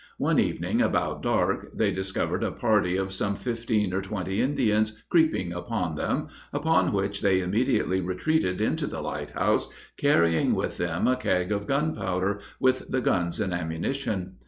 One evening about dark they discovered a party of some fifteen or twenty Indians creeping upon them, upon which they immediately retreated into the lighthouse, carrying with them a keg of gunpowder, with the guns and ammunition.